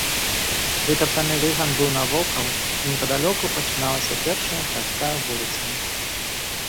Вытаптаны выган быў навокал, і непадалёку пачыналася першая гарадская вуліца.